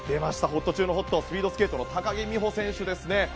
ホット中のホットスピードスケートの高木美帆選手ですね。